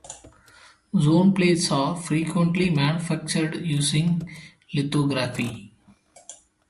Zone plates are frequently manufactured using lithography.